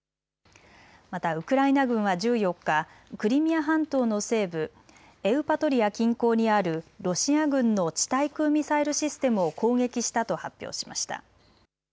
またウクライナ軍は１４日、クリミア半島の西部エウパトリヤ近郊にあるロシア軍の地対空ミサイルシステムを攻撃したと発表しました。